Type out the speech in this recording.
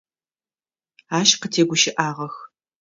Ащ къытегущыӏагъэх.